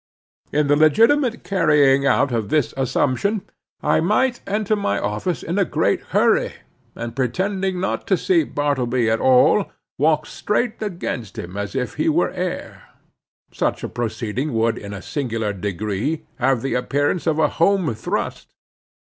In the legitimate carrying out of this assumption, I might enter my office in a great hurry, and pretending not to see Bartleby at all, walk straight against him as if he were air. Such a proceeding would in a singular degree have the appearance of a home thrust.